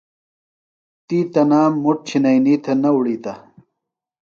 تی تنام مُٹ چِھئینی تھےۡ نہ اُڑِیتہ۔